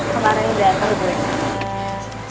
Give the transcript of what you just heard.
kemarin udah aku berdua